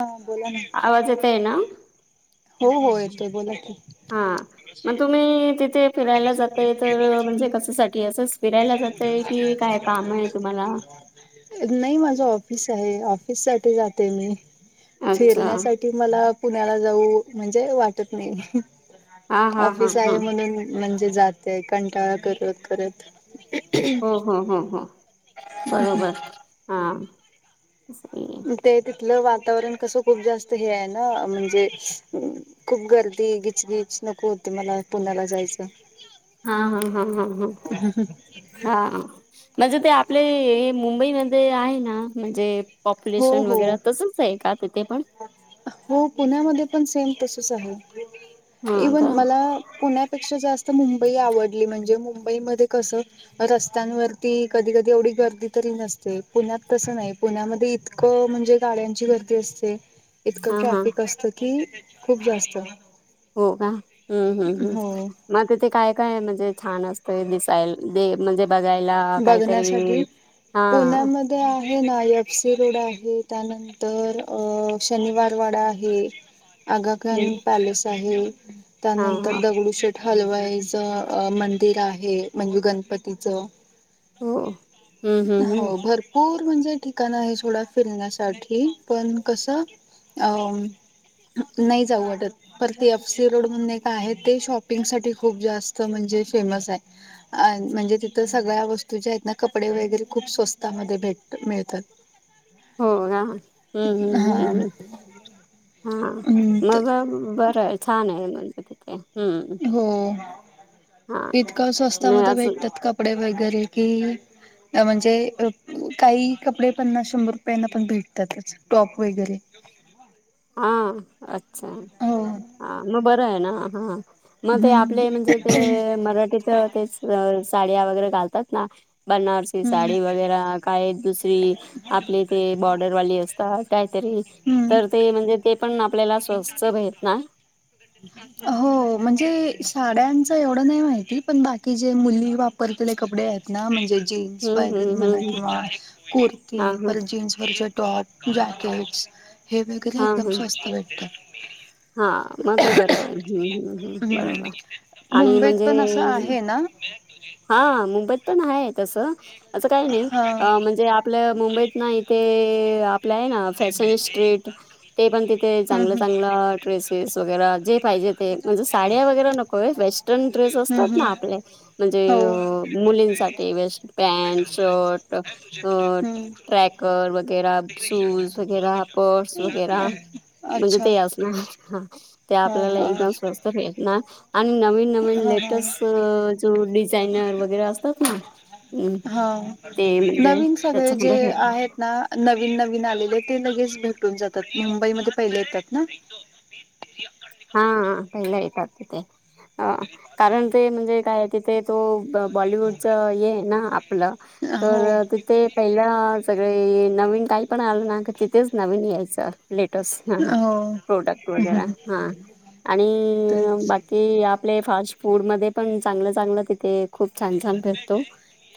हा बोला ना. आवाज येतय ना? हो हो येतोय बोला की. हा मग तुम्ही तिथे फिरायला जातय तर म्हणजे कशासाठी असंच फिरायला जातय की काय काम आहे तुम्हाला? नाही माझ ऑफिस आहे ऑफिस साठी जाते मी. अच्छा. फिरण्यासाठी मला पुण्याला जाऊ म्हणजे वाटत नाही. हा हा हा ऑफिस हा. आहे म्हणून म्हणजे जाते कंटाळा करत करत. हो हो हो हो बरोबर हा. ते तिथलं वातावरण कस खूप जास्त हे आहे ना म्हणजे खूप गर्दी गिचगिच नको होती मला पुण्याला जायचं. हा हा हा हा हा. हा म्हणजे ते आपले मुंबई मध्ये आहे ना म्हणजे हो पॉप्युलेशन हो वगैरे तसंच आहे का तिथे पण हो पुण्यामध्ये पण सेम तस आहे. हा इव्हन का? मला पुण्यात पेक्षा जास्त मुंबई आवडली, म्हणजे मुंबईमध्ये कसं रस्त्यांवरती कधी कधी एवढी गर्दी तरी नसते. पुण्यात तसं नाही पुण्यामध्ये इत कं म्हणजे गाड्यांची गर्दी असते, इतकं हा हा. ट्रॅफिक असतं की खूप जास्त. होका, हम्म हम्म हम्म. हो मग तिथे काय काय म्हणजे छान असतंय दिसायल दे म्हणजे बघायला कायतरी बघण्यासाठी हां. पुण्यामध्ये आहे ना एफ सी रोड आहे, त्यानं तर अ शनिवार वाडा आहे. आगाखनी हम्म पॅलेस आहे, हा हा त्यानंतर दगडू शेट हलवाईचं मंदिर आहे, म्हणजे गणपतीचं. हो हम्म हम्म [unintelligible] हो हम्म भर पूर म्हणजे ठिकाण आहे सोडा फिरण्यासाठी, पण कसं अ नाही जाऊ वाटत. पर ते एफसी रोड म्हणून एक आहे, ते शॉपिंगसाठी खूप जास्त म्हणजे फेमस आहे. अन म्हणजे तिथं सगळ्या वस् तू ज्या आहेत ना, कपडे वगैरे खूप स्वस्तामध्ये भेटतं मिळतात. होना अं ह ह हा ह. हां हम्म मग बरं आहे छान आहे म्हणजे तिथे, हं. होना इतका नाही स्वस्थमध्ये असं भेटतात कपडे वगैरे की म्हणजे काही कपडे पन्नास शंभर रुपयांना पण भेटतातच टॉप वगैरे. हां अच्छा, हो. हा मग बरं आहे ना. हा मग ते आपले हम्म म्हणजे ते हम्म मराठीचं तेच साड्या वगैरे घालतात ना, बनार सी साडी वगैरा काय दुसरी आपले ते बॉर्डरवाली असतात कायतरी. हम्म. ते म्हणजे तेपण आपल्याला स्वस्त भेटना. [inaudible] हो म्हणजे साड्यांचं एवढं नाही माहिती, पण बाकी जे मुली वापरलेले कपडे आहेत न म्हणजे जीन्स [unintelligible] हम्म हम्म म्हणा हम्म किंवा कुर्ती हा हा पर जीन्स वरचं टॉप, जॅकेट्स वगैरे हा एकदम हा स्वस्त भेटतात. [unintelligible] हा मग हे बरं आहे, हम्म हम्म. बरोबर का आणि मुंबईत म्हणजे पण असं आहे ना हा मुंबईतपण आहे तसं, असं काही नाही हा अ म्हणजे आ पल्या मुंबईत नाही येथे आ पलं आहेना फॅशन स्ट्रीट. ते पण तिथे चांगलं हम्म हम्म चांगलं ड्रेसेस वगैरा जे पाहिजे ते म्हणजे साड्या वगैरे नकोय, वेस्टर्न ड्रेस हम्म असतात ना हम्म आपले म्हणजे हो. मुलींसा ते वेस्ट पॅन्ट, शर्ट अं ट्रॅक कर वगैरा, शूज वगैरा, पर्स वगैरा हम्म. म्हणजे अच्छा. ते असणार आहे. हां ते हा आपल्याला हा. एकदम स्वस्त भेटना आणि नवीन नवीन हा हा. लेटेस् ट डिझायनर वगैरे असतात ना हां ते म्हणजे नवीन सगळे जे त्याच्यामध्ये आहेत ना नवीन नवीन आलेले ते लगेच भेटून जातात, मुंबईमध्ये पहिले येतात ना. हां पहिला येतात तिथे. कारण ते म्हणजे काय तिथे तो बॉलिवूडचं हे आहे ना आपलं अच्छा हो तर ते पहिला सगळे नवीन काहीपण आलं ना, का तिथेच नवीन यायचं. लेटस् ह ह, हो प्रोडक्ट वगैरा हा आणि तेच. बा कि आपले फास्ट फूड मध्ये पण चांगलं चांगलं तिथे. खूप छान छान फेरतो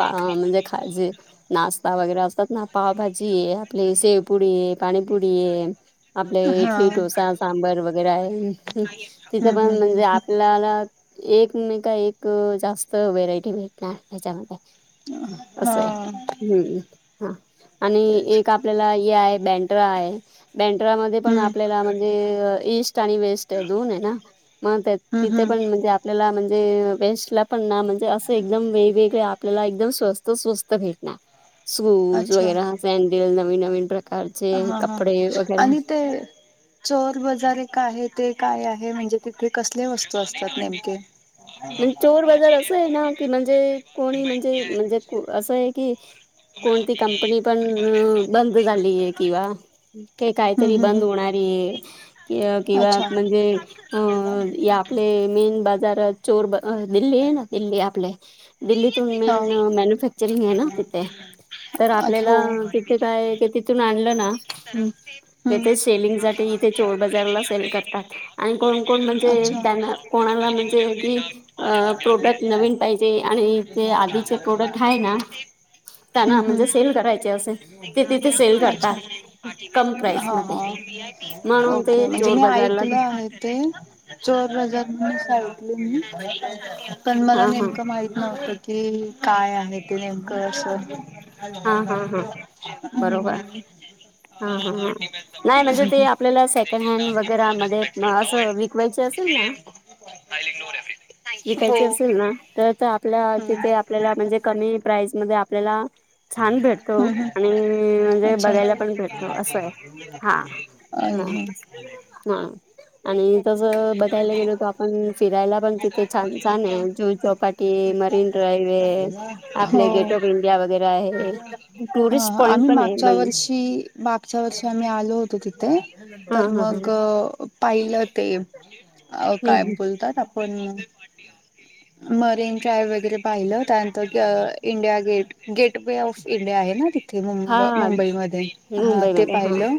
म्हणजे खाजे. नाश्ता वगैरे असतात ना पावभाजी आहे आपली शेवपुडी आहे पाणीपुडी आहे. आपले हा. इटली टोसा सांबर वगैरे आहे तिथं हम्म पण म्हणजे हम्म आप ला एक मे का एक जास्त व्हेरायटी भेटणार त्याच्यामध्ये. हम्म असं आहे. हा. हम्म हा आणि एक आपल्याला हे आहे बँड्रा आहे. बेंट्रा मध्ये पण हम्म आपल्याला म्हणजे इईस्ट. ईस्ट आणि वेस्ट दोन हे ना मग हम्म तिथे हम्म पण म्हणजे आपल्याला म्हणजे वेस्ट ला पण म्हणजे असं एकदम वेगवेगळे आपल्याला एकदम स्वस्त स्वस्त भेटणार. शूज अच्छा वगैर सॅडल नवीन नवीन प्रकारचे हा हा कपडे वगैरे. आणि ते चोर बाजार एक आहे ते काय आहे म्हणजे तिथे कसले वस्तू असतात नेमके. म्हण चोर बाजार असं आहे ना की म्हणजे कोणी म्हणजे म्हणजे असं आहे की. कोणती कंपनी पण बंद झालीय किंवा हम्म काहीतरी हम्म बंद हम्म होणार आहे. किंवा अच्छा म्हणजे अ आपले मेन बाजार चोर ब अ दिल्ली आहे ना दिल्ली आपले दिल्लीतून हा मेन मॅन्युफॅक्चरिंग आहे ना तिथे. तर अ हो आपल्याला तिथे काय तिथून आणलं हम्म नाथे शेलिंग साठी. ते चोर बाजारला सेल करतात आणि कोण कोण म्हणजे अच्छा त्यांना कोणाला म्हणजे की. अ प्रोडक्ट नवीन पाहिजे आणि ते आधीचे प्रोडक्ट आहे ना. त्यांना हम्म म्हणजे सेल करायचे असे ते तिथे सेल अच्छा करतात. कम प्राईस हा मध्ये हा. म्हणून ओके ते म्हणजे चोर मी बाजारला ऐकलं आहे ते. चोर बाजार मुळे सांगितलं मी. पण मला हा हा नेमकं माहित नव्हतं की काय आहे ते नेमकं असं. हा हम्म. हा हा बरोबर हा ह ह नाही म्हणजे ते आपल्याला सेकंड हँड वगैरे मध्ये असं विक [unintelligible] असेल ना तर आपल्या हम्म तिथे आपल्याला म्हणजे कमी प्राईज मध्ये आपल्याला छान भेटतो हम्म आणि हम्म म्हणजे अच्छा बघायला पण भेटतो असं आहे हा. अ हा आणि तस बघायला गेलोत आपण फिरायला पण तिथे छान छान आहे जुहू चौपाटी मरीन ड्राईव्ह आहे, हो. आपले गेट ऑफ इंडिया वगैरे आहे ह टुरिस्ट पॉइंट आम्ही पण आहे मागच्या म्हण वर्षि मागच्या वर्षी आम्ही आलो होतो तिथे हा तर हा हा मग हम्म पाहिलं ते काय हम्म बोलतात आपण [inaudible] मरीन ड्राईव्ह वगैरे पाहिलं त्यानंतर India gate gateway of India आहे ना तिथे. ते हा मुंब मुंबईमध्ये हा ते मुंबईमध्ये हा पाहिलं.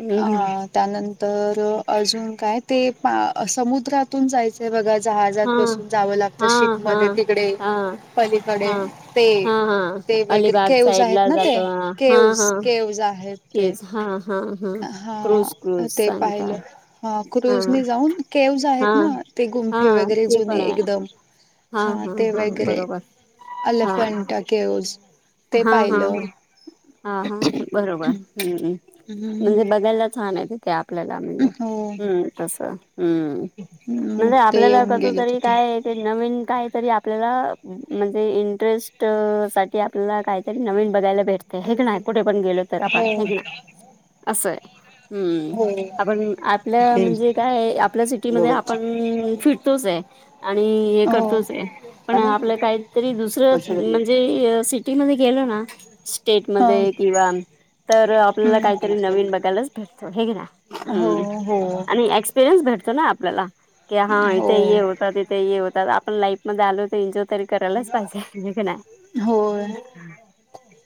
हम्म हम्म त्यानंतर अजून काय ते समुद्रात तून जायचंय बघा जहाजात हा बसून जावं लागतं हा शिप हा मध्ये तिकडे. हा पलीकडे हा ते हा हा ते वगैरे अलिबाग केवज साईड आहेत ला ना ते जातो हा केवज हा केवज आहेत. ते केच हा हा हा क्रूज क्रूज ते सांगता पाहिलं ह. हा क्रुझ ने जाऊन केव्हस हा आहेत ना ते हा गुंठे वगैरे ते पण जुने आहे एकदम हा ते वगैरे हा अलिफंट केवज ते हा हा ह पाहिलं. हा हा बरोबर् हम्म म्हणजे बघायला छान आहे ते. ते आपल्याला म्हणजे हो हम्म तस हम्म. हम्म म्हणजे ते आपल्याला येऊन कसं गेलं तरी तिथे काय ते नवीन काहीतरी आपल्याला म्हणजे इंटरेस्ट साठी आ पल्याला नवीन काहीतरी बघायला भेटतं हाय का नाय, कुठे पण गेलो तरी आपण हो हाय का ना? असं हाय, हम्म. हो आपण आपल्या म्हणजे काय आपल्या सिटीमध्ये आपण फिरतोच हाय. आणि हे हो करतोच पण आपलं काहीतरी दुसरं म्हणजे हे सिटीमध्ये गेलो ना ह स्टेटमध्ये किंवा तर आपल्याला नवीन हम्म काहीतरी बघायलाच भेटतं. हाय का ना? हो हम्म. हो. [unintelligible] भेटतो ना आपल्याला. की हां हो इथं हे होतं, तिथे हे होतात ‌. आपलं लाईफ मध्ये आलो तर एन्जॉय तरी करायलाच पाहिजे, होय का नाही? होय.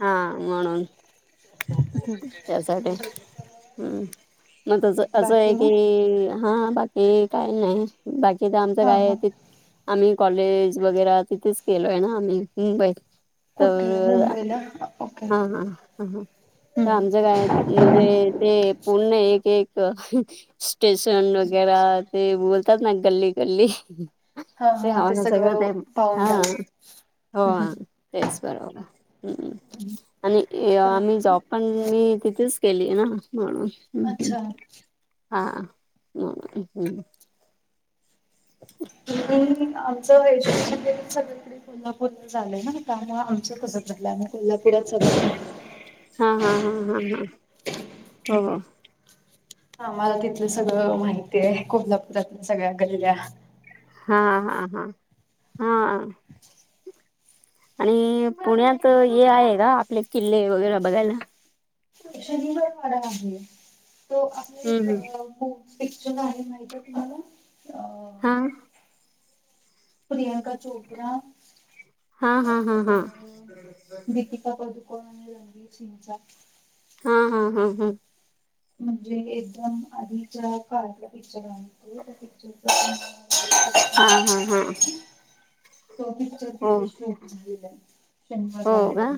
हां म्हणून त्यासाठी. हम्म मग तसं असं बाकी आहे मग की, हा बाकी काय नाय. बाकीच आमचं हा काय हा हाय ति आम्ही कॉलेज वगैरा तिथेच केलोय ना आम्ही मुंबईत. कुठे तर मुंबईला ओके हांं हां हां हां तर हम्म आमच्या काय म्हणजे ते पूर्ण एक एक स्टेशन वगैरा ते बोलतात ना गल्ली गल्ली. हा ते हा हाव ना सगळं ते, पाहून हा झालं हो हां. तेच बरोबर हा हं आणि आम्ही चांगलं जॉबपण मी तिथेच केलीये ना म्हणून. अच्छा. हां [unintelligible] हम्म. तुम्ही आमचं एज्युकेशन केलं सगळीकडे. मी कोल्हापूरला चालोय ना आता, आमचं कसं झालं आम्ही कोल्हापुरात सगळं हा हा हा हा हा हो हो. आम्हाला तिथलं सगळं माहिती आहे, कोल्हापुरातल्या सगळ्या गल्ल्या. हां हां हां हां. आणि पुण्यात हे आहे का आपले किल्ले वगैरे बघायला? ते शनिवार वाडा आहे तो आ हं हं. हो बिच्छू गाना माहित हाय तुम्हाला? अ हां. प्रियंका चोप्रा. हा हा हा हा. का पदुकोण आणि रणदीप सिंगचा. हा हा हा हम्म. म्हणजे एकदम आधीच्या काढला पिक्चर आणि ते ते पिक्चरचं [inaudible] हा हा हा. [unintelligible] तर हो तिथे शो झालेले आहेत शनिवार हो का वाड्यामध्ये,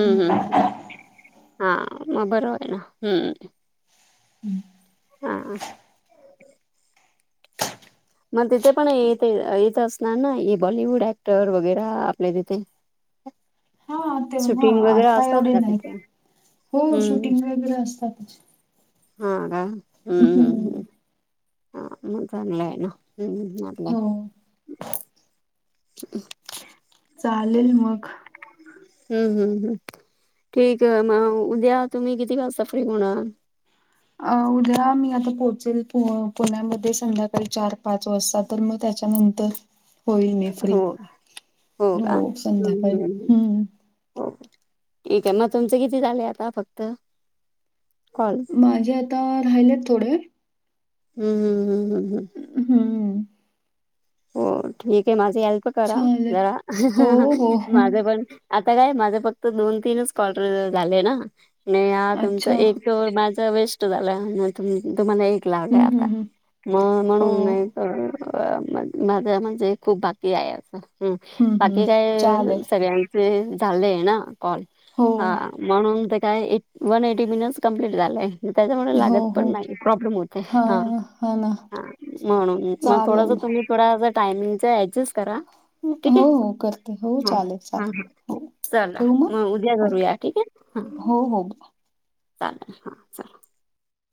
हम्म. हां मग बरो आहे ना, हम्म. अं. हा ह मग तिथे पण इथे येथ असणार ना बॉलिवूड ऍक्टर वगैर आपले तिथे. हा तेव्हा शूटिंग हा वगैरे आता असतात एवढे का नाही तिथे हो हम्म शूटिंग वगैरे असतातच. हा काय हम्म हम्म हम्म ह मण चागंलाथ तो हम्मम् हो ह. चालेल मग हम्म. हम्म. ठीक आहे मग उद्या तुम्ही किती वाजता फ्री होणार? अ उद्या मी आता पोहोचेल पु पुण्यामध्ये संध्याकाळी चार पाच वाजता. तर मग त्याच्यानंतर होईल मी फ्री हो हो संध्याकाळी हम्म. हो ठीक आहे मग तुमचं किती झाले आता फक्त कॉल. माझे आता राहिलेत थोडे. हम्म हम् हम. हम्म. हो ठीक आहे माझी हेल्प करा चालेल जरा हो हो हो माझ पण आता काय माझे फक्त दोन तीनच कॉ्ल झाले ना नाही आह तुमच अच्छा एक हम्म तो माझा वेस्ट झाला मग तुम्हाला एक लावलंय हम्म आता हम्म मग हो म्हणून मग तर माझ म्हणजे खूप बाकी आहे असं. हम हम्म हम्म बाकी काय चालेल सगळ्यांचे चालय ना कॉल हो हा म्हणून ते काय वन एटी मिनिटस कमप्लीट झालंय. त्याच्यामुळे हो लागत हो पण नाही प्रॉब्लेम होते हा. हा म्हणून मग थोडस चालेल तुम्ही थोड टाइमिंगचा ऍडजस्ट करा. हो ठीक आहे हो करते हो ह चालेल हा चालेल हा. हो चला ठेवू मग उद्या हो करूया ठीक आहे. हो. हो. चालतंय हा चला